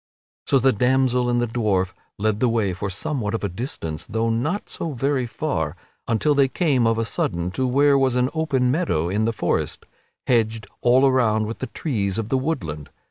So the damsel and the dwarf led the way for somewhat of a distance, though not for so very far, until they came of a sudden to where was an open meadow in the forest, hedged all around with the trees of the woodland.